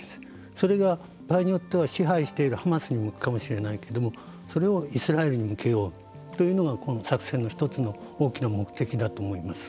それが場合によっては支配しているハマスに向くかもしれないけどそれをイスラエルに向けようというのがこの作戦の１つの大きな目的だと思います。